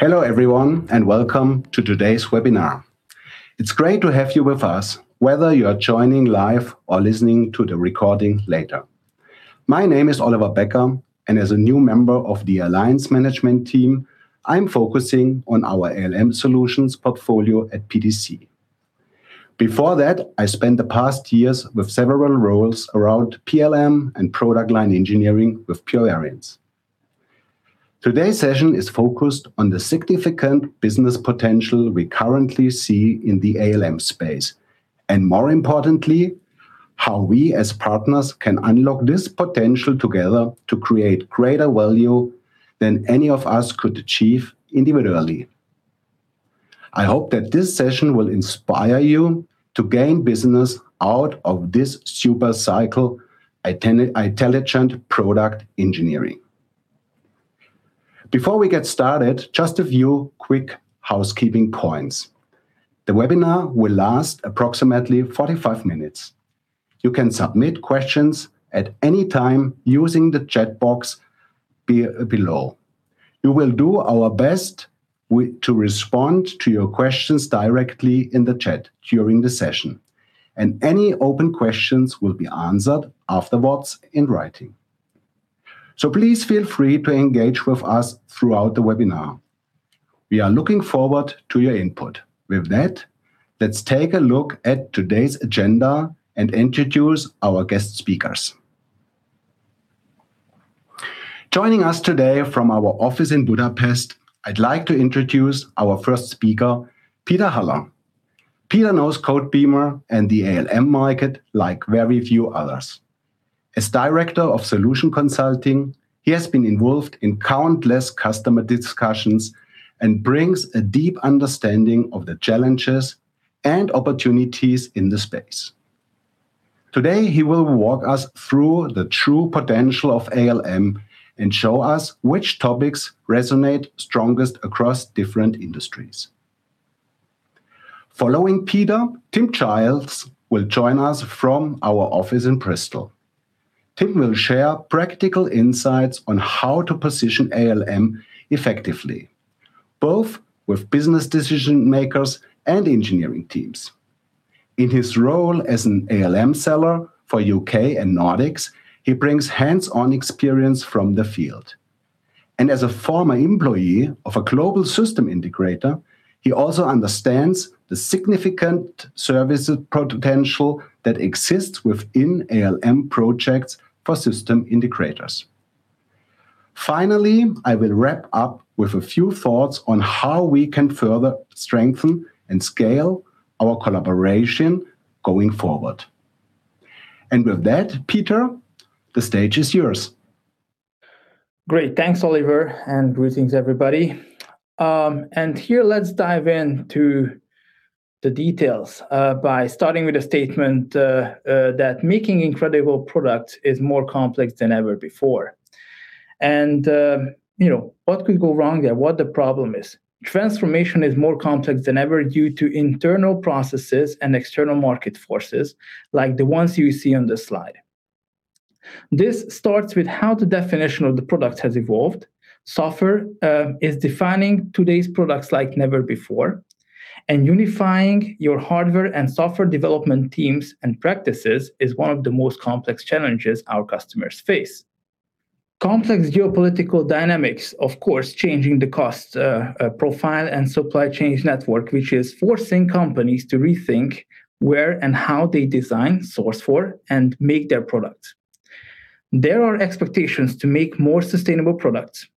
Hello everyone, welcome to today's webinar. It's great to have you with us, whether you are joining live or listening to the recording later. My name is Oliver Becker, and as a new member of the Alliance management team, I'm focusing on our ALM solutions portfolio at PTC. Before that, I spent the past years with several roles around PLM and product line engineering with Pure Variants. Today's session is focused on the significant business potential we currently see in the ALM space, and more importantly, how we as partners can unlock this potential together to create greater value than any of us could achieve individually. I hope that this session will inspire you to gain business out of this super cycle, intelligent product engineering. Before we get started, just a few quick housekeeping points. The webinar will last approximately 45 minutes. You can submit questions at any time using the chat box below. We will do our best to respond to your questions directly in the chat during the session, and any open questions will be answered afterwards in writing. Please feel free to engage with us throughout the webinar. We are looking forward to your input. With that, let's take a look at today's agenda and introduce our guest speakers. Joining us today from our office in Budapest, I'd like to introduce our first speaker, Peter Haller. Peter knows Codebeamer and the ALM market like very few others. As Director of Solution Consulting, he has been involved in countless customer discussions and brings a deep understanding of the challenges and opportunities in the space. Today, he will walk us through the true potential of ALM and show us which topics resonate strongest across different industries. Following Peter, Tim Giles will join us from our office in Bristol. Tim will share practical insights on how to position ALM effectively, both with business decision-makers and engineering teams. In his role as an ALM seller for U.K. and Nordics, he brings hands-on experience from the field. As a former employee of a global system integrator, he also understands the significant service potential that exists within ALM projects for system integrators. Finally, I will wrap up with a few thoughts on how we can further strengthen and scale our collaboration going forward. With that, Peter, the stage is yours. Great. Thanks, Oliver, greetings, everybody. Here, let's dive into the details by starting with a statement that making incredible products is more complex than ever before. What could go wrong there? What the problem is? Transformation is more complex than ever due to internal processes and external market forces like the ones you see on this slide. This starts with how the definition of the product has evolved. Software is defining today's products like never before, and unifying your hardware and software development teams and practices is one of the most complex challenges our customers face. Complex geopolitical dynamics, of course, changing the cost profile and supply chains network, which is forcing companies to rethink where and how they design, source for, and make their products. There are expectations to make more sustainable products,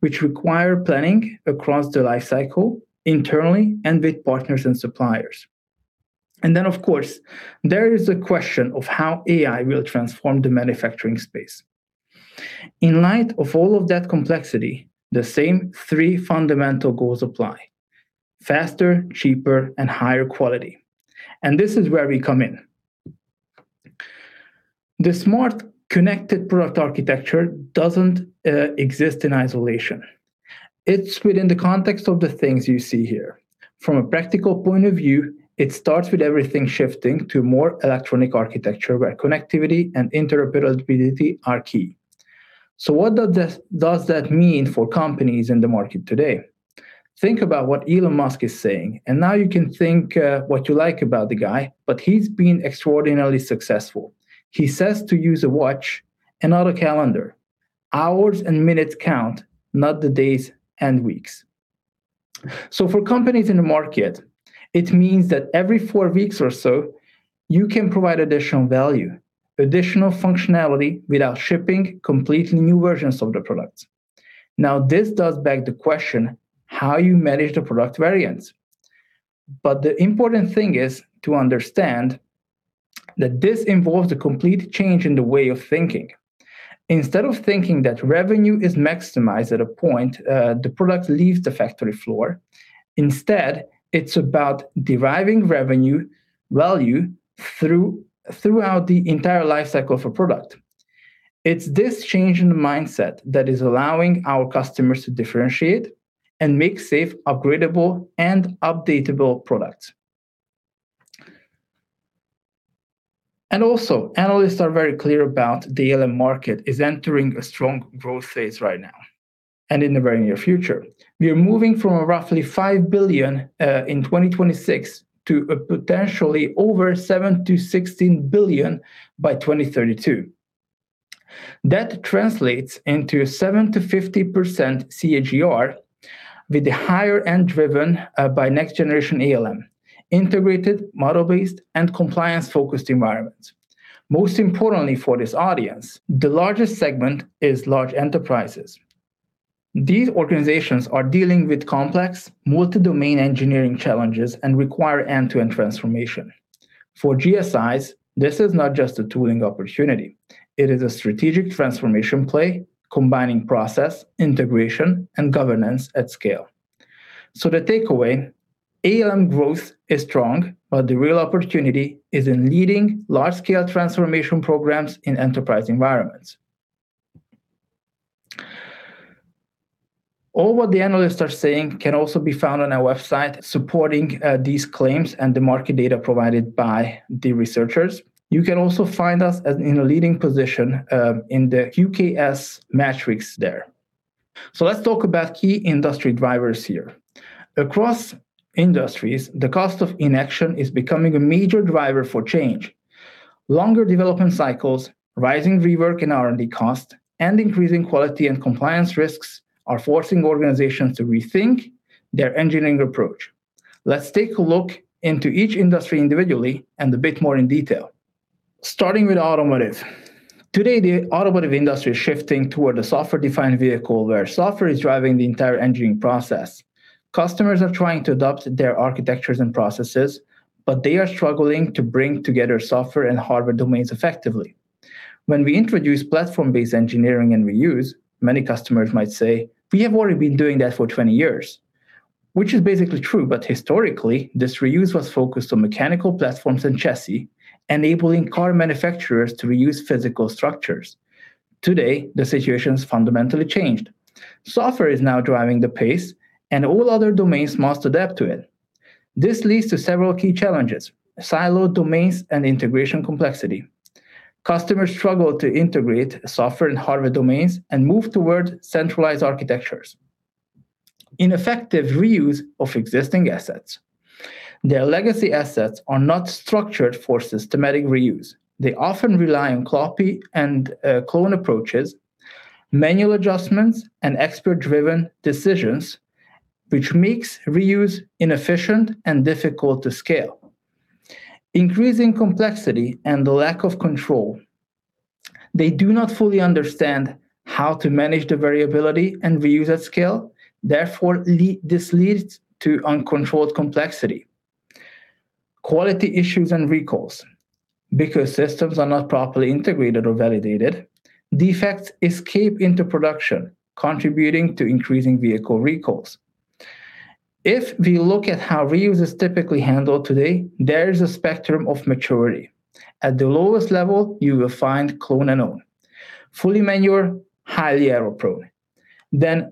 which require planning across the life cycle internally and with partners and suppliers. There is the question of how AI will transform the manufacturing space. In light of all of that complexity, the same three fundamental goals apply: faster, cheaper, and higher quality. This is where we come in. The smart, connected product architecture doesn't exist in isolation. It's within the context of the things you see here. From a practical point of view, it starts with everything shifting to more electronic architecture where connectivity and interoperability are key. What does that mean for companies in the market today? Think about what Elon Musk is saying, and now you can think what you like about the guy, but he's been extraordinarily successful. He says to use a watch and not a calendar. Hours and minutes count, not the days and weeks. For companies in the market, it means that every four weeks or so, you can provide additional value, additional functionality without shipping completely new versions of the product. This does beg the question, how you manage the product variants. The important thing is to understand that this involves a complete change in the way of thinking. Instead of thinking that revenue is maximized at a point the product leaves the factory floor, instead, it's about deriving revenue value throughout the entire life cycle of a product. It's this change in the mindset that is allowing our customers to differentiate and make safe, upgradable, and updatable products. Analysts are very clear about the ALM market is entering a strong growth phase right now and in the very near future. We are moving from roughly $5 billion in 2026 to potentially over $7 billion-$16 billion by 2032. That translates into a 7%-50% CAGR, with the higher end driven by next generation ALM, integrated model-based and compliance-focused environments. Most importantly for this audience, the largest segment is large enterprises. These organizations are dealing with complex multi-domain engineering challenges and require end-to-end transformation. For GSIs, this is not just a tooling opportunity. It is a strategic transformation play combining process, integration, and governance at scale. The takeaway, ALM growth is strong, but the real opportunity is in leading large-scale transformation programs in enterprise environments. All what the analysts are saying can also be found on our website supporting these claims and the market data provided by the researchers. You can also find us in a leading position in the QKS Matrix there. Let's talk about key industry drivers here. Across industries, the cost of inaction is becoming a major driver for change. Longer development cycles, rising rework and R&D cost, and increasing quality and compliance risks are forcing organizations to rethink their engineering approach. Let's take a look into each industry individually and a bit more in detail. Starting with automotive. Today, the automotive industry is shifting toward a software-defined vehicle where software is driving the entire engineering process. Customers are trying to adopt their architectures and processes, but they are struggling to bring together software and hardware domains effectively. When we introduce platform-based engineering and reuse, many customers might say, "We have already been doing that for 20 years," which is basically true, but historically, this reuse was focused on mechanical platforms and chassis, enabling car manufacturers to reuse physical structures. Today, the situation's fundamentally changed. Software is now driving the pace, all other domains must adapt to it. This leads to several key challenges, siloed domains and integration complexity. Customers struggle to integrate software and hardware domains and move toward centralized architectures. Ineffective reuse of existing assets. Their legacy assets are not structured for systematic reuse. They often rely on copy and clone approaches, manual adjustments, and expert-driven decisions, which makes reuse inefficient and difficult to scale. Increasing complexity and the lack of control. They do not fully understand how to manage the variability and reuse at scale, therefore, this leads to uncontrolled complexity. Quality issues and recalls. Because systems are not properly integrated or validated, defects escape into production, contributing to increasing vehicle recalls. If we look at how reuse is typically handled today, there is a spectrum of maturity. At the lowest level, you will find clone-and-own, fully manual, highly error-prone.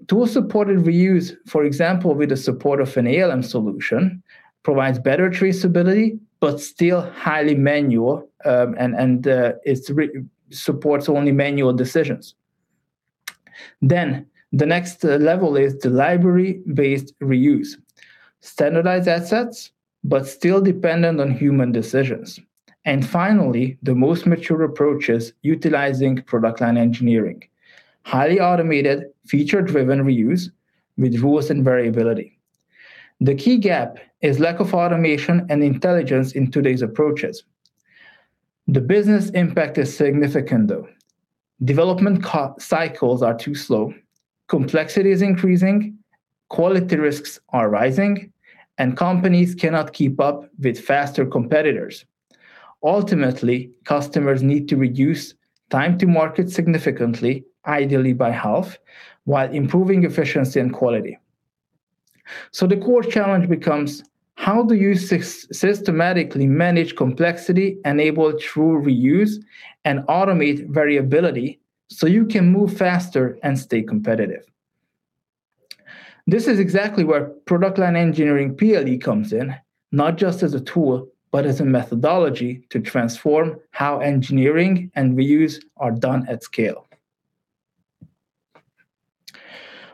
Tool-supported reuse, for example, with the support of an ALM solution, provides better traceability, but still highly manual, and it supports only manual decisions. The next level is the library-based reuse. Standardized assets, but still dependent on human decisions. Finally, the most mature approach is utilizing product line engineering. Highly automated, feature-driven reuse with rules and variability. The key gap is lack of automation and intelligence in today's approaches. The business impact is significant, though. Development cycles are too slow, complexity is increasing, quality risks are rising, and companies cannot keep up with faster competitors. Ultimately, customers need to reduce time to market significantly, ideally by half, while improving efficiency and quality. The core challenge becomes how do you systematically manage complexity, enable true reuse, and automate variability so you can move faster and stay competitive? This is exactly where product line engineering, PLE, comes in, not just as a tool, but as a methodology to transform how engineering and reuse are done at scale.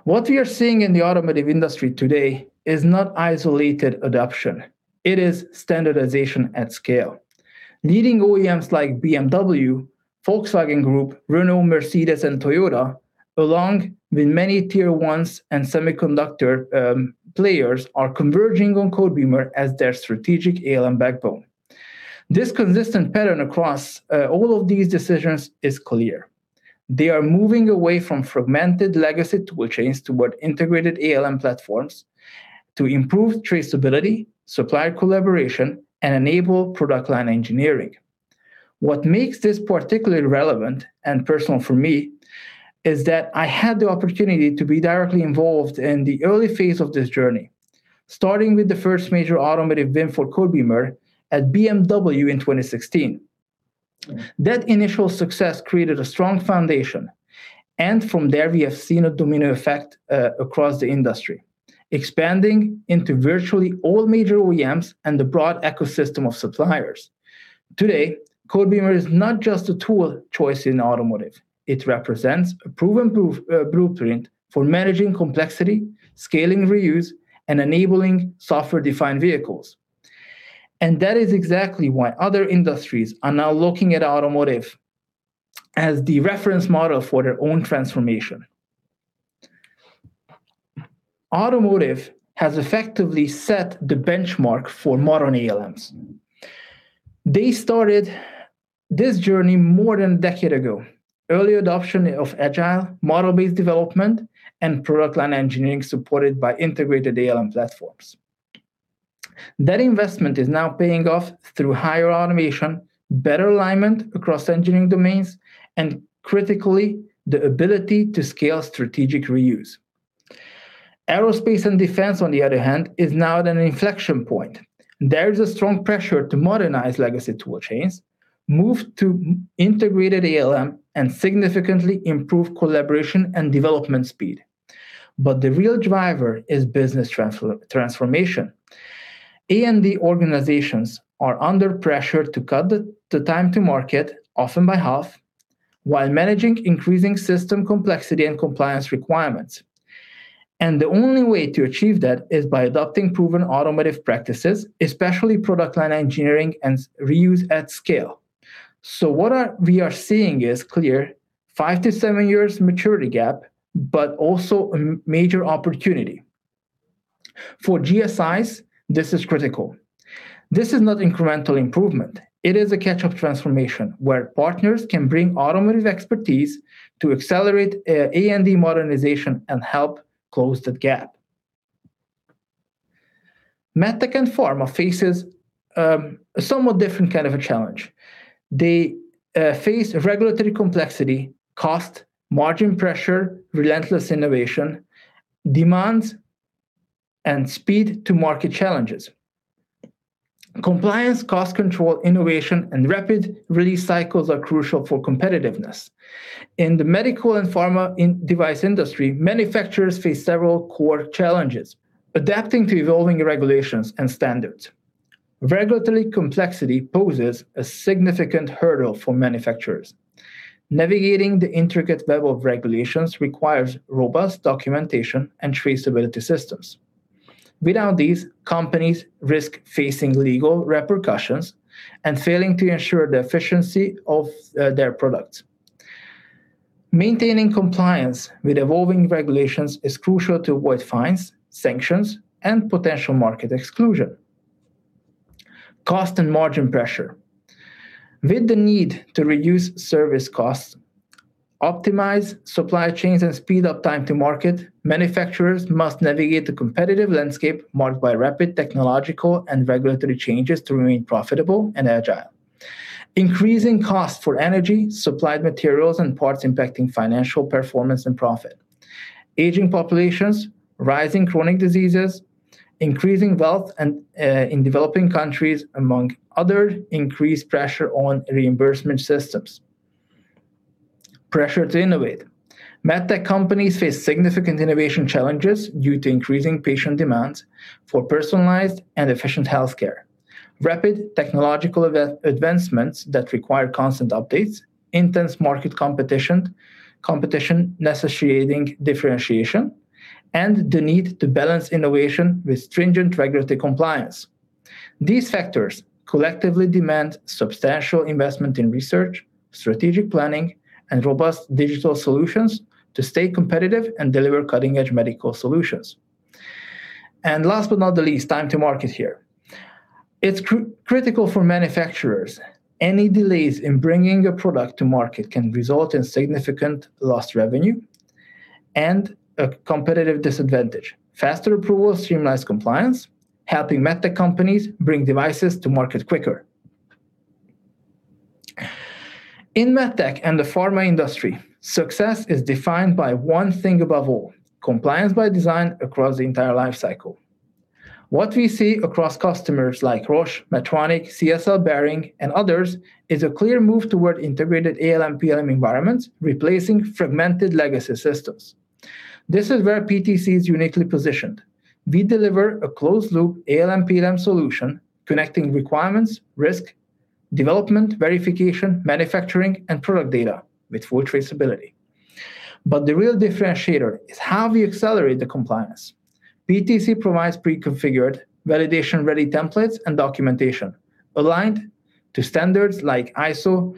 What we are seeing in the automotive industry today is not isolated adoption. It is standardization at scale. Leading OEMs like BMW, Volkswagen Group, Renault, Mercedes, and Toyota, along with many Tier 1s and semiconductor players, are converging on Codebeamer as their strategic ALM backbone. This consistent pattern across all of these decisions is clear. They are moving away from fragmented legacy toolchains toward integrated ALM platforms to improve traceability, supplier collaboration, and enable product line engineering. What makes this particularly relevant and personal for me is that I had the opportunity to be directly involved in the early phase of this journey, starting with the first major automotive win for Codebeamer at BMW in 2016. That initial success created a strong foundation, from there, we have seen a domino effect across the industry. Expanding into virtually all major OEMs and the broad ecosystem of suppliers. Today, Codebeamer is not just a tool choice in automotive, it represents a proven blueprint for managing complexity, scaling reuse, and enabling software-defined vehicles. That is exactly why other industries are now looking at automotive as the reference model for their own transformation. Automotive has effectively set the benchmark for modern ALMs. They started this journey more than a decade ago. Early adoption of agile, model-based development, and product line engineering supported by integrated ALM platforms. That investment is now paying off through higher automation, better alignment across engineering domains, and critically, the ability to scale strategic reuse. Aerospace and defense, on the other hand, is now at an inflection point. There is a strong pressure to modernize legacy tool chains, move to integrated ALM, and significantly improve collaboration and development speed. The real driver is business transformation. A&D organizations are under pressure to cut the time to market, often by half, while managing increasing system complexity and compliance requirements. The only way to achieve that is by adopting proven automotive practices, especially product line engineering and reuse at scale. What we are seeing is clear, five to seven years maturity gap, but also a major opportunity. For GSIs, this is critical. This is not incremental improvement. It is a catch-up transformation where partners can bring automotive expertise to accelerate A&D modernization and help close that gap. MedTech and pharma faces a somewhat different kind of a challenge. They face regulatory complexity, cost, margin pressure, relentless innovation demands, and speed-to-market challenges. Compliance, cost control, innovation, and rapid release cycles are crucial for competitiveness. In the medical and pharma device industry, manufacturers face several core challenges adapting to evolving regulations and standards. Regulatory complexity poses a significant hurdle for manufacturers. Navigating the intricate web of regulations requires robust documentation and traceability systems. Without these, companies risk facing legal repercussions and failing to ensure the efficiency of their products. Maintaining compliance with evolving regulations is crucial to avoid fines, sanctions, and potential market exclusion. Cost and margin pressure. With the need to reduce service costs, optimize supply chains, and speed up time to market, manufacturers must navigate the competitive landscape marked by rapid technological and regulatory changes to remain profitable and agile. Increasing costs for energy, supplied materials, and parts impacting financial performance and profit. Aging populations, rising chronic diseases, increasing wealth in developing countries, among others, increase pressure on reimbursement systems. Pressure to innovate. MedTech companies face significant innovation challenges due to increasing patient demands for personalized and efficient healthcare. Rapid technological advancements that require constant updates, intense market competition necessitating differentiation, and the need to balance innovation with stringent regulatory compliance. These factors collectively demand substantial investment in research, strategic planning, and robust digital solutions to stay competitive and deliver cutting-edge medical solutions. Last but not the least, time to market here. It's critical for manufacturers. Any delays in bringing a product to market can result in significant lost revenue and a competitive disadvantage. Faster approval, streamlined compliance, helping MedTech companies bring devices to market quicker. In MedTech and the pharma industry, success is defined by one thing above all, compliance by design across the entire life cycle. What we see across customers like Roche, Medtronic, CSL Behring, and others, is a clear move toward integrated ALM/PLM environments, replacing fragmented legacy systems. This is where PTC is uniquely positioned. We deliver a closed-loop ALM/PLM solution connecting requirements, risk, development, verification, manufacturing, and product data with full traceability. The real differentiator is how we accelerate the compliance. PTC provides pre-configured, validation-ready templates and documentation aligned to standards like ISO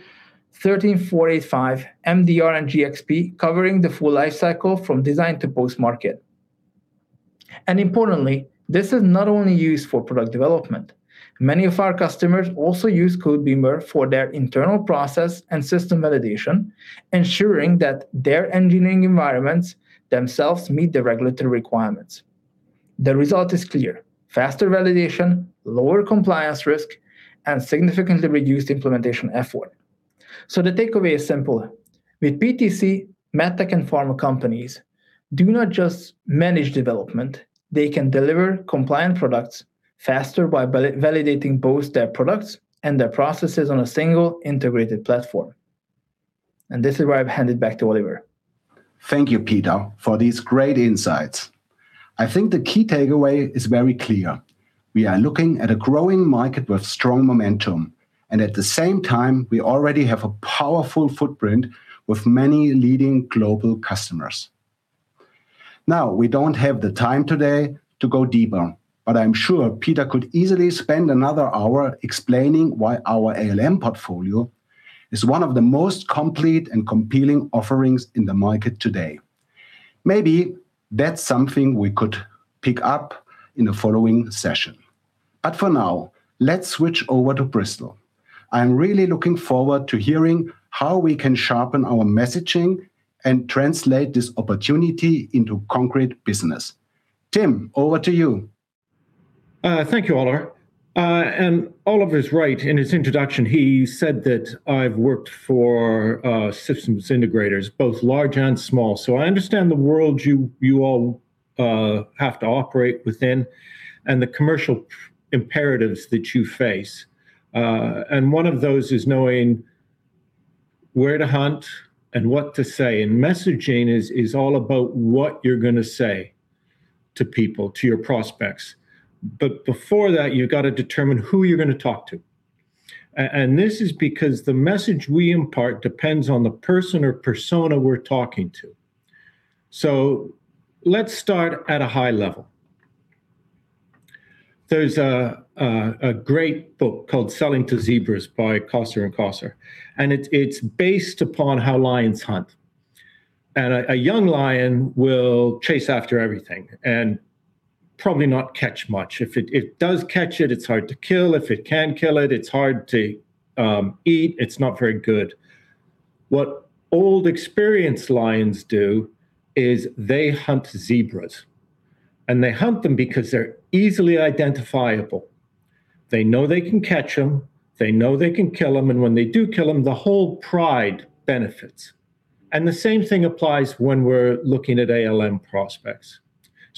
13485, MDR, and GxP, covering the full life cycle from design to post-market. Importantly, this is not only used for product development. Many of our customers also use Codebeamer for their internal process and system validation, ensuring that their engineering environments themselves meet the regulatory requirements. The result is clear, faster validation, lower compliance risk, and significantly reduced implementation effort. The takeaway is simple. With PTC, MedTech and pharma companies do not just manage development, they can deliver compliant products faster by validating both their products and their processes on a single integrated platform. This is where I hand it back to Oliver. Thank you, Peter, for these great insights. I think the key takeaway is very clear. We are looking at a growing market with strong momentum, and at the same time, we already have a powerful footprint with many leading global customers. We don't have the time today to go deeper, but I'm sure Peter could easily spend another hour explaining why our ALM portfolio is one of the most complete and compelling offerings in the market today. Maybe that's something we could pick up in a following session. For now, let's switch over to Bristol. I'm really looking forward to hearing how we can sharpen our messaging and translate this opportunity into concrete business. Tim, over to you. Thank you, Oliver. Oliver's right. In his introduction, he said that I've worked for systems integrators, both large and small. I understand the world you all have to operate within and the commercial imperatives that you face. One of those is knowing where to hunt and what to say, and messaging is all about what you're going to say to people, to your prospects. Before that, you've got to determine who you're going to talk to. This is because the message we impart depends on the person or persona we're talking to. Let's start at a high level. There's a great book called "Selling to Zebras" by Koser and Koser, and it's based upon how lions hunt. A young lion will chase after everything and probably not catch much. If it does catch it's hard to kill. If it can kill it's hard to eat. It's not very good. What old, experienced lions do is they hunt zebras, and they hunt them because they're easily identifiable. They know they can catch them, they know they can kill them, and when they do kill them, the whole pride benefits. The same thing applies when we're looking at ALM prospects.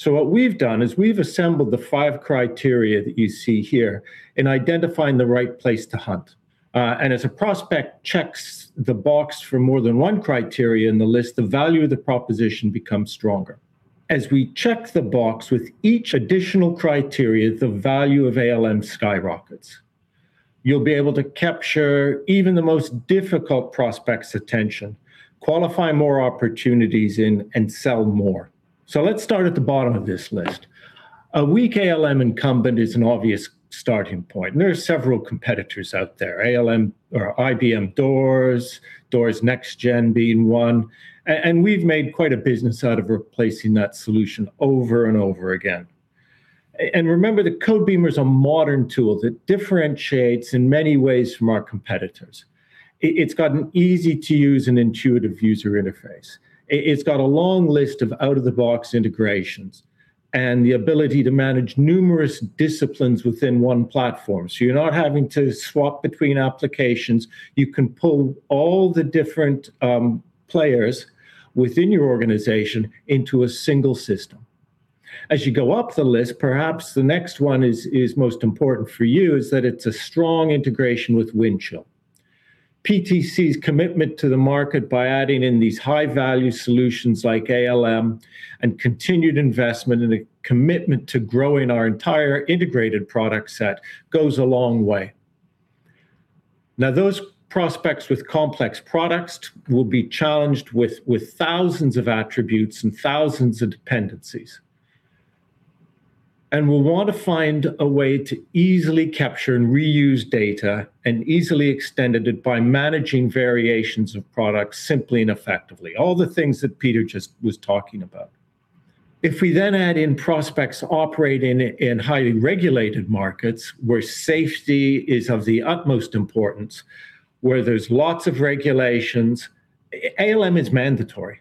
What we've done is we've assembled the five criteria that you see here in identifying the right place to hunt. As a prospect checks the box for more than one criteria in the list, the value of the proposition becomes stronger. As we check the box with each additional criteria, the value of ALM skyrockets. You'll be able to capture even the most difficult prospect's attention, qualify more opportunities in, and sell more. Let's start at the bottom of this list. A weak ALM incumbent is an obvious starting point. There are several competitors out there, IBM DOORS Next Gen being one. We've made quite a business out of replacing that solution over and over again. Remember that Codebeamer's a modern tool that differentiates in many ways from our competitors. It's got an easy-to-use and intuitive user interface. It's got a long list of out-of-the-box integrations and the ability to manage numerous disciplines within one platform. You're not having to swap between applications. You can pull all the different players within your organization into a single system. As you go up the list, perhaps the next one is most important for you is that it's a strong integration with Windchill. PTC's commitment to the market by adding in these high-value solutions like ALM and continued investment in a commitment to growing our entire integrated product set goes a long way. Those prospects with complex products will be challenged with thousands of attributes and thousands of dependencies. We'll want to find a way to easily capture and reuse data and easily extend it by managing variations of products simply and effectively, all the things that Peter just was talking about. If we then add in prospects operating in highly regulated markets where safety is of the utmost importance, where there's lots of regulations, ALM is mandatory,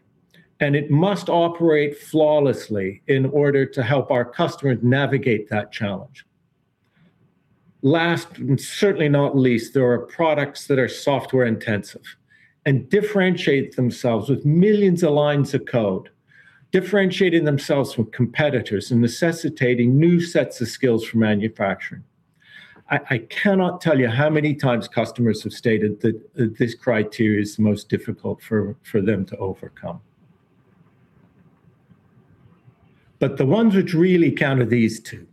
and it must operate flawlessly in order to help our customers navigate that challenge. Last, and certainly not least, there are products that are software-intensive and differentiate themselves with millions of lines of code, differentiating themselves from competitors and necessitating new sets of skills for manufacturing. I cannot tell you how many times customers have stated that this criteria is the most difficult for them to overcome. The ones which really count are these two.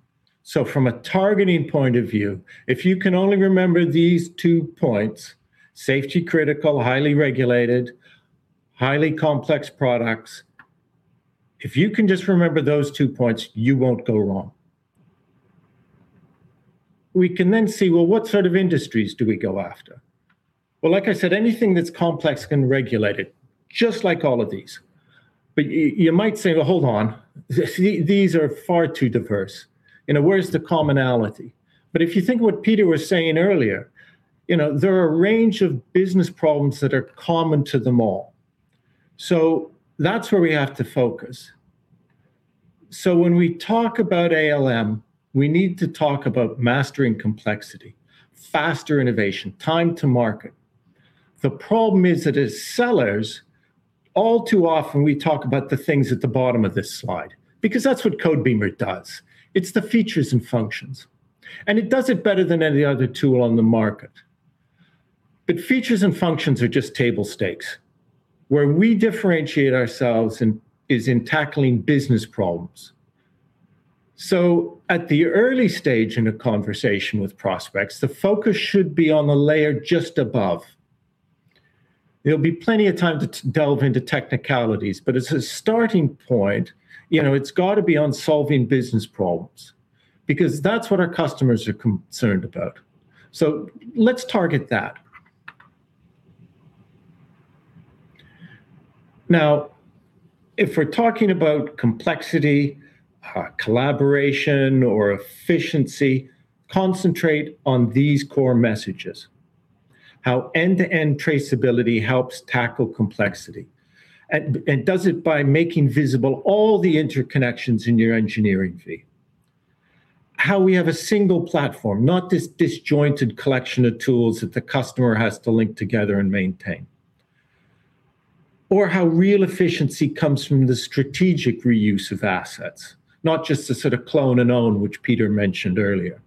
From a targeting point of view, if you can only remember these two points, safety critical, highly regulated, highly complex products, if you can just remember those two points, you won't go wrong. We can then see, what sort of industries do we go after? Like I said, anything that's complex and regulated, just like all of these. You might say, "Hold on. These are far too diverse. Where is the commonality? If you think of what Peter was saying earlier, there are a range of business problems that are common to them all. That's where we have to focus. When we talk about ALM, we need to talk about mastering complexity, faster innovation, time to market. The problem is that as sellers all too often, we talk about the things at the bottom of this slide, because that's what Codebeamer does. It's the features and functions, and it does it better than any other tool on the market. Features and functions are just table stakes. Where we differentiate ourselves is in tackling business problems. At the early stage in a conversation with prospects, the focus should be on the layer just above. There'll be plenty of time to delve into technicalities, but as a starting point, it's got to be on solving business problems, because that's what our customers are concerned about. Let's target that. If we're talking about complexity, collaboration, or efficiency, concentrate on these core messages. How end-to-end traceability helps tackle complexity, and does it by making visible all the interconnections in your engineering feed. How we have a single platform, not this disjointed collection of tools that the customer has to link together and maintain. How real efficiency comes from the strategic reuse of assets, not just the sort of clone and own, which Peter mentioned earlier.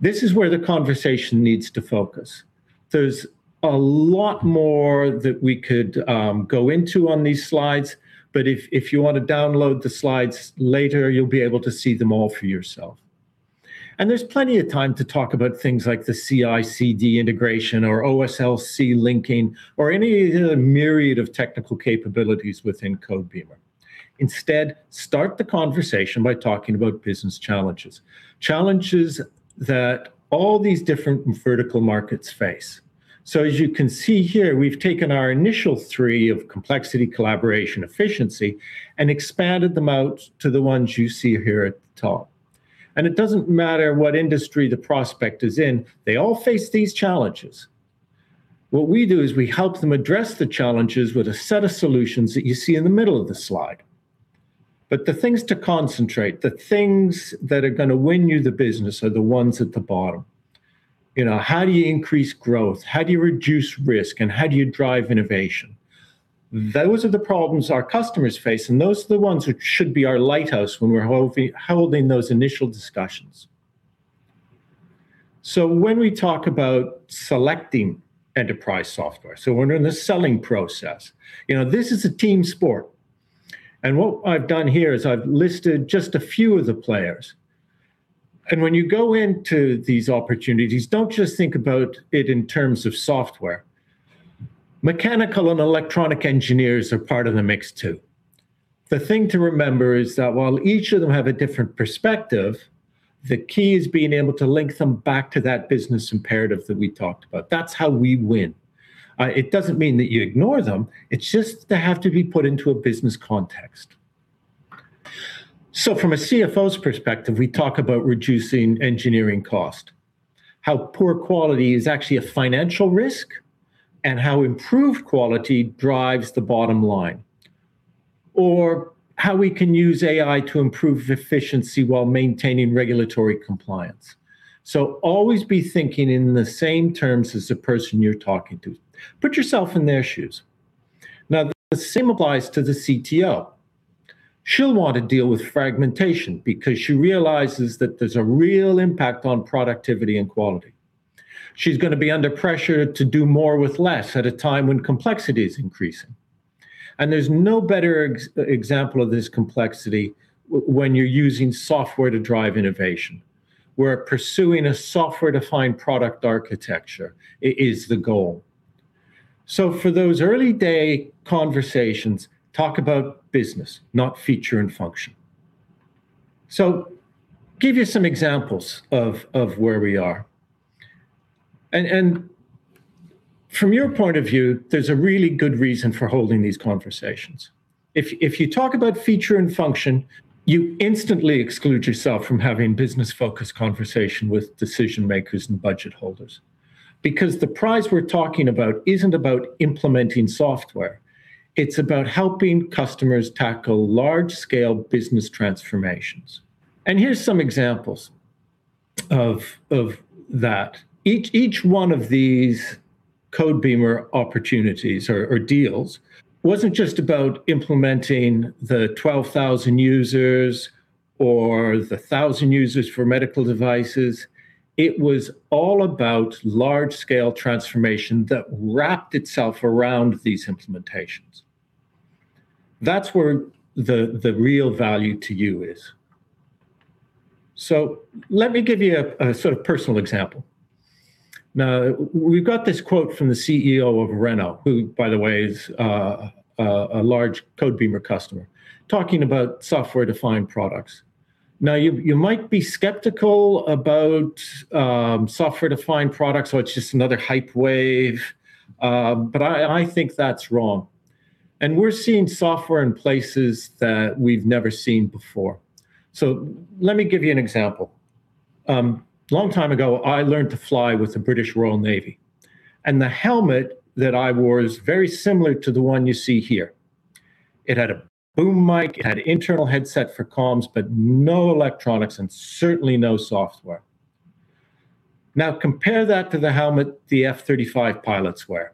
This is where the conversation needs to focus. There's a lot more that we could go into on these slides, but if you want to download the slides later, you'll be able to see them all for yourself. There's plenty of time to talk about things like the CI/CD integration or OSLC linking or any other myriad of technical capabilities within Codebeamer. Instead, start the conversation by talking about business challenges that all these different vertical markets face. As you can see here, we've taken our initial three of complexity, collaboration, efficiency, and expanded them out to the ones you see here at the top. It doesn't matter what industry the prospect is in, they all face these challenges. What we do is we help them address the challenges with a set of solutions that you see in the middle of the slide. The things to concentrate, the things that are going to win you the business are the ones at the bottom. How do you increase growth? How do you reduce risk, and how do you drive innovation? Those are the problems our customers face, and those are the ones who should be our lighthouse when we're holding those initial discussions. When we talk about selecting enterprise software, so we're in the selling process. This is a team sport, and what I've done here is I've listed just a few of the players. When you go into these opportunities, don't just think about it in terms of software. Mechanical and electronic engineers are part of the mix, too. The thing to remember is that while each of them have a different perspective, the key is being able to link them back to that business imperative that we talked about. That's how we win. It doesn't mean that you ignore them, it's just they have to be put into a business context. From a CFO's perspective, we talk about reducing engineering cost, how poor quality is actually a financial risk, and how improved quality drives the bottom line. How we can use AI to improve efficiency while maintaining regulatory compliance. Always be thinking in the same terms as the person you're talking to. Put yourself in their shoes. The same applies to the CTO. She'll want to deal with fragmentation because she realizes that there's a real impact on productivity and quality. She's going to be under pressure to do more with less at a time when complexity is increasing. There's no better example of this complexity when you're using software to drive innovation, where pursuing a software-defined product architecture is the goal. For those early-day conversations, talk about business, not feature and function. Give you some examples of where we are. From your point of view, there's a really good reason for holding these conversations. If you talk about feature and function, you instantly exclude yourself from having business-focused conversation with decision-makers and budget holders. The prize we're talking about isn't about implementing software. It's about helping customers tackle large-scale business transformations. Here's some examples of that. Each one of these Codebeamer opportunities or deals wasn't just about implementing the 12,000 users or the 1,000 users for medical devices. It was all about large-scale transformation that wrapped itself around these implementations. That's where the real value to you is. Let me give you a personal example. We've got this quote from the CEO of Renault, who by the way, is a large Codebeamer customer, talking about software-defined products. You might be skeptical about software-defined products, or it's just another hype wave. I think that's wrong. We're seeing software in places that we've never seen before. Let me give you an example. Long time ago, I learned to fly with the British Royal Navy, and the helmet that I wore is very similar to the one you see here. It had a boom mic, it had internal headset for comms, but no electronics and certainly no software. Compare that to the helmet the F-35 pilots wear.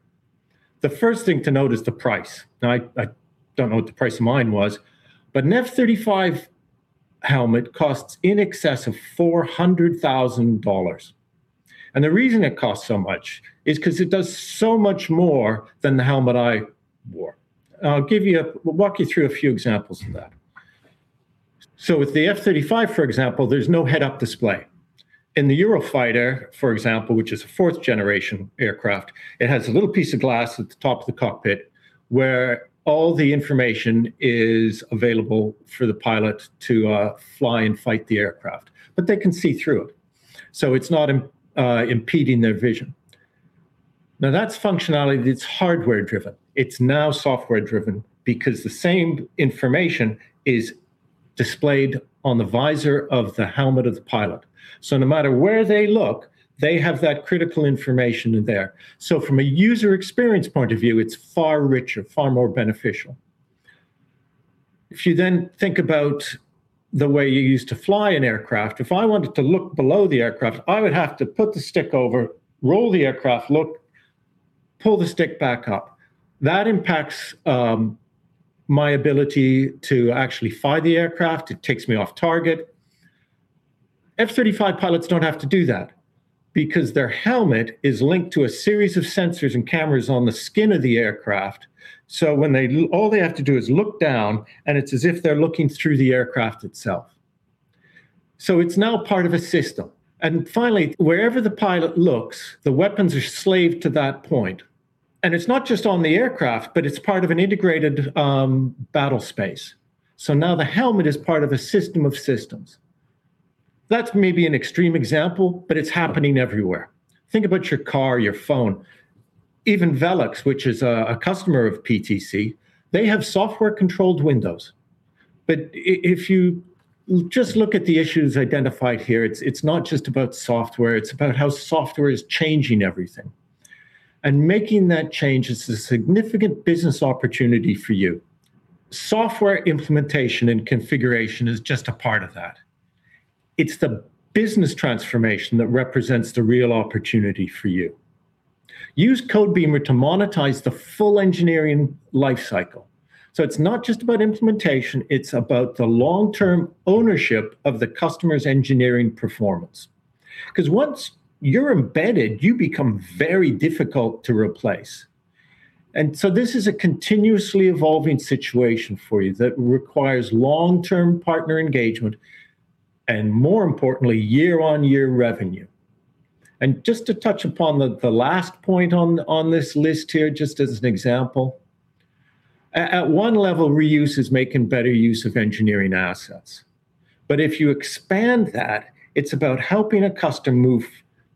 The first thing to note is the price. I don't know what the price of mine was, but an F-35 helmet costs in excess of $400,000. The reason it costs so much is because it does so much more than the helmet I wore. I'll walk you through a few examples of that. With the F-35, for example, there's no head-up display. In the Eurofighter, for example, which is a fourth-generation aircraft, it has a little piece of glass at the top of the cockpit where all the information is available for the pilot to fly and fight the aircraft, but they can see through it, so it's not impeding their vision. That's functionality that's hardware-driven. It's now software-driven because the same information is displayed on the visor of the helmet of the pilot. No matter where they look, they have that critical information in there. From a user experience point of view, it's far richer, far more beneficial. If you then think about the way you used to fly an aircraft, if I wanted to look below the aircraft, I would have to put the stick over, roll the aircraft, look, pull the stick back up. That impacts my ability to actually fly the aircraft. It takes me off target. F-35 pilots don't have to do that because their helmet is linked to a series of sensors and cameras on the skin of the aircraft. All they have to do is look down, and it's as if they're looking through the aircraft itself. It's now part of a system. Finally, wherever the pilot looks, the weapons are slaved to that point. It's not just on the aircraft, but it's part of an integrated battle space. Now the helmet is part of a system of systems. That's maybe an extreme example, but it's happening everywhere. Think about your car, your phone, even VELUX, which is a customer of PTC. They have software-controlled windows. If you just look at the issues identified here, it's not just about software, it's about how software is changing everything. Making that change is a significant business opportunity for you. Software implementation and configuration is just a part of that. It's the business transformation that represents the real opportunity for you. Use Codebeamer to monetize the full engineering life cycle. It's not just about implementation, it's about the long-term ownership of the customer's engineering performance. Once you're embedded, you become very difficult to replace. This is a continuously evolving situation for you that requires long-term partner engagement and more importantly, year-on-year revenue. Just to touch upon the last point on this list here, just as an example, at one level, reuse is making better use of engineering assets. If you expand that, it's about helping a customer move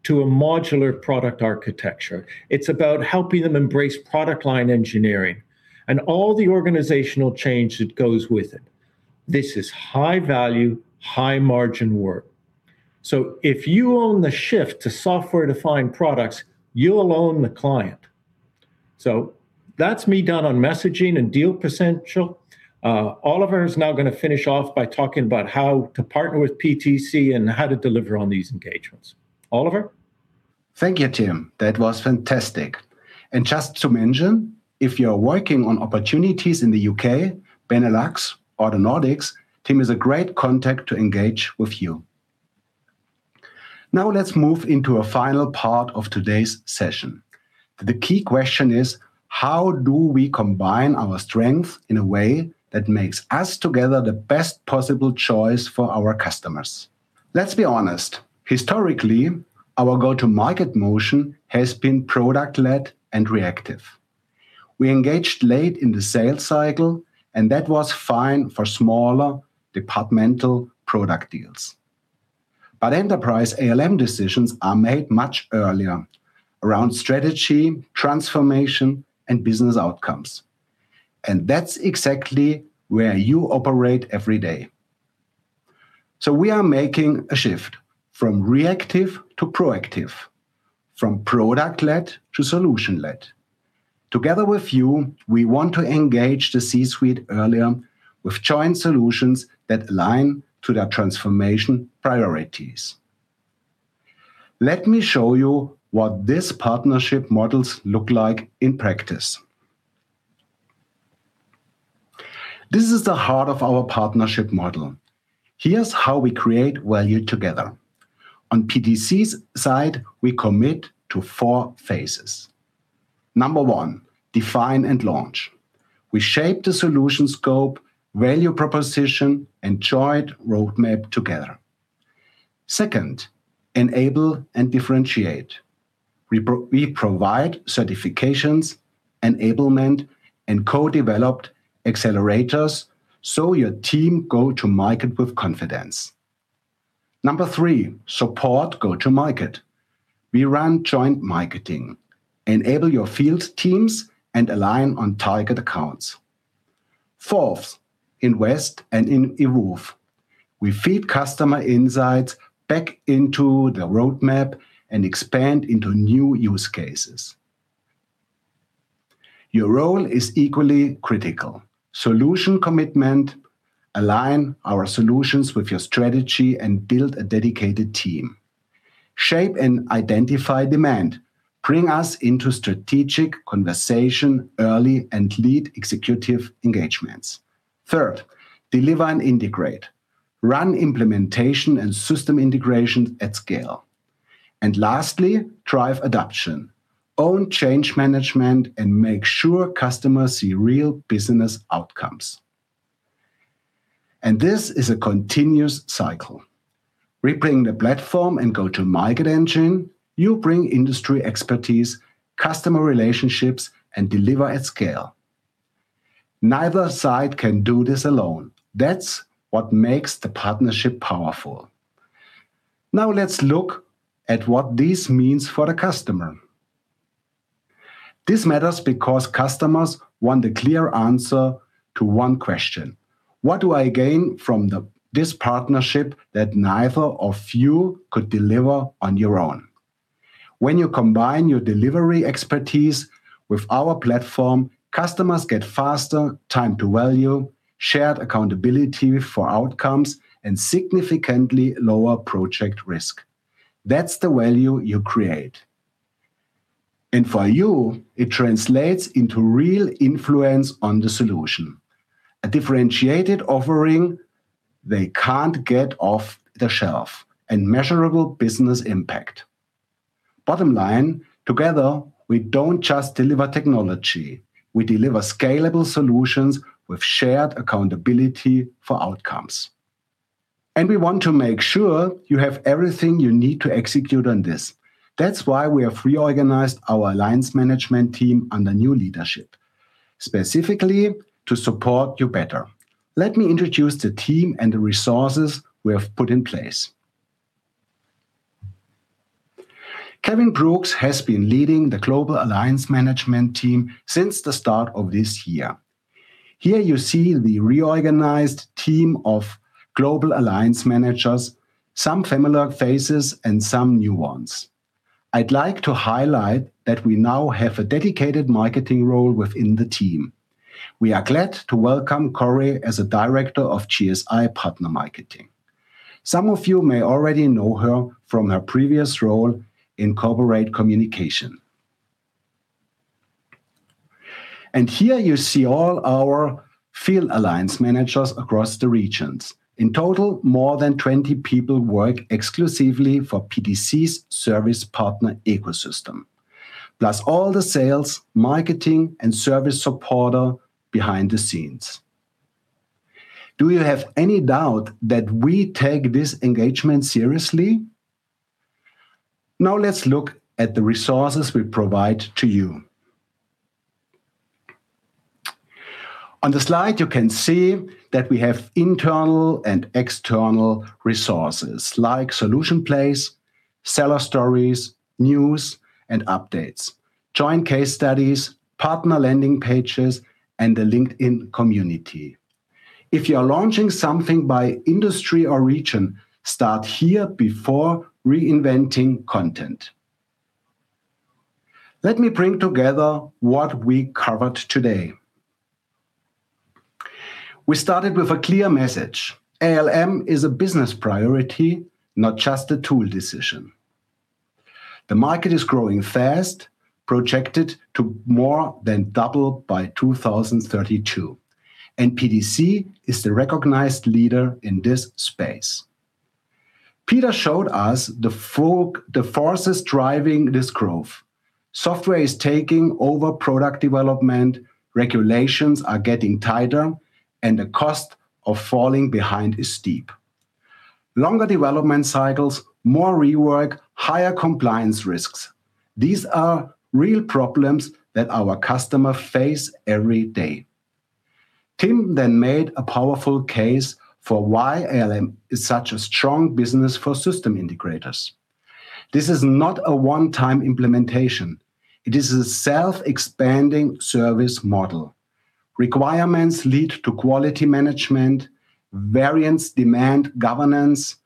to a modular product architecture. It's about helping them embrace product line engineering and all the organizational change that goes with it. This is high value, high margin work. If you own the shift to software-defined products, you'll own the client. That's me done on messaging and deal potential. Oliver is now going to finish off by talking about how to partner with PTC and how to deliver on these engagements. Oliver? Thank you, Tim. That was fantastic. Just to mention, if you're working on opportunities in the U.K., Benelux, or the Nordics, Tim is a great contact to engage with you. Let's move into a final part of today's session. The key question is: how do we combine our strengths in a way that makes us together the best possible choice for our customers? Let's be honest, historically, our go-to-market motion has been product-led and reactive. We engaged late in the sales cycle, and that was fine for smaller departmental product deals. Enterprise ALM decisions are made much earlier around strategy, transformation, and business outcomes. That's exactly where you operate every day. We are making a shift from reactive to proactive, from product-led to solution-led. Together with you, we want to engage the C-suite earlier with joint solutions that align to their transformation priorities. Let me show you what these partnership models look like in practice. This is the heart of our partnership model. Here's how we create value together. On PTC's side, we commit to four phases. Number one, define and launch. We shape the solution scope, value proposition, and joint roadmap together. Second, enable and differentiate. We provide certifications, enablement, and co-developed accelerators so your team go to market with confidence. Number three, support go-to-market. We run joint marketing, enable your field teams, and align on target accounts. Fourth, invest and improve. We feed customer insights back into the roadmap and expand into new use cases. Your role is equally critical. Solution commitment, align our solutions with your strategy, and build a dedicated team. Shape and identify demand. Bring us into strategic conversation early and lead executive engagements. Third, deliver and integrate. Run implementation and system integrations at scale. Lastly, drive adoption. Own change management and make sure customers see real business outcomes. This is a continuous cycle. We bring the platform and go-to-market engine, you bring industry expertise, customer relationships, and deliver at scale. Neither side can do this alone. That's what makes the partnership powerful. Let's look at what this means for the customer. This matters because customers want a clear answer to one question: What do I gain from this partnership that neither of you could deliver on your own? When you combine your delivery expertise with our platform, customers get faster time to value, shared accountability for outcomes, and significantly lower project risk. That's the value you create. For you, it translates into real influence on the solution, a differentiated offering they can't get off the shelf, and measurable business impact. Bottom line, together, we don't just deliver technology, we deliver scalable solutions with shared accountability for outcomes. We want to make sure you have everything you need to execute on this. That's why we have reorganized our alliance management team under new leadership, specifically to support you better. Let me introduce the team and the resources we have put in place. Kevin Brooks has been leading the global alliance management team since the start of this year. Here you see the reorganized team of global alliance managers, some familiar faces and some new ones. I'd like to highlight that we now have a dedicated marketing role within the team. We are glad to welcome Corey as a director of GSI partner marketing. Some of you may already know her from her previous role in corporate communication. Here you see all our field alliance managers across the regions. In total, more than 20 people work exclusively for PTC's service partner ecosystem. Plus all the sales, marketing, and service supporter behind the scenes. Do you have any doubt that we take this engagement seriously? Let's look at the resources we provide to you. On the slide, you can see that we have internal and external resources like solution plays, seller stories, news, and updates, joint case studies, partner landing pages, and the LinkedIn community. If you are launching something by industry or region, start here before reinventing content. Let me bring together what we covered today. We started with a clear message. ALM is a business priority, not just a tool decision. The market is growing fast, projected to more than double by 2032. PTC is the recognized leader in this space. Peter showed us the forces driving this growth. Software is taking over product development, regulations are getting tighter, the cost of falling behind is steep. Longer development cycles, more rework, higher compliance risks. These are real problems that our customers face every day. Tim then made a powerful case for why ALM is such a strong business for system integrators. This is not a one-time implementation. It is a self-expanding service model. Requirements lead to quality management. Variance demand governance.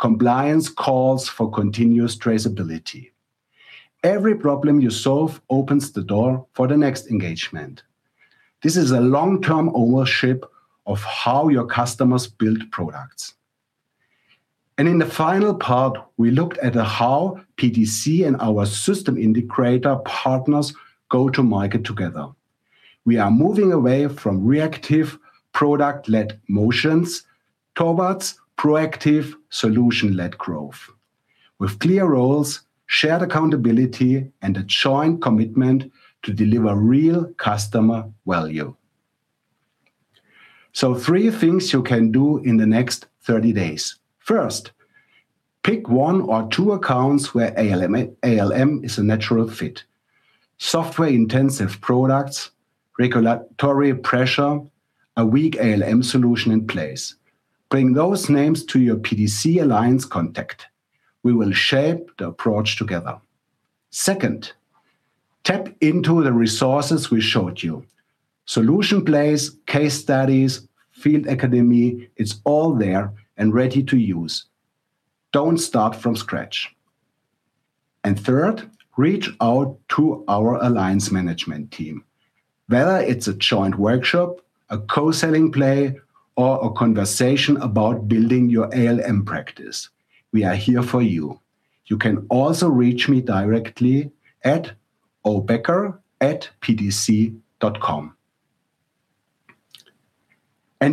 Compliance calls for continuous traceability. Every problem you solve opens the door for the next engagement. This is a long-term ownership of how your customers build products. In the final part, we looked at how PTC and our system integrator partners go to market together. We are moving away from reactive product-led motions towards proactive solution-led growth with clear roles, shared accountability, and a joint commitment to deliver real customer value. Three things you can do in the next 30 days. First, pick one or two accounts where ALM is a natural fit. Software-intensive products, regulatory pressure, a weak ALM solution in place. Bring those names to your PTC alliance contact. We will shape the approach together. Second, tap into the resources we showed you. Solution plays, case studies, Field Academy. It's all there and ready to use. Don't start from scratch. Third, reach out to our alliance management team. Whether it's a joint workshop, a co-selling play, or a conversation about building your ALM practice, we are here for you. You can also reach me directly at obecker@ptc.com.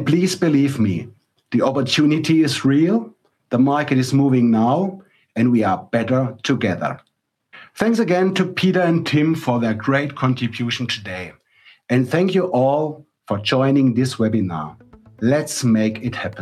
Please believe me, the opportunity is real, the market is moving now, and we are better together. Thanks again to Peter and Tim for their great contribution today. Thank you all for joining this webinar. Let's make it happen.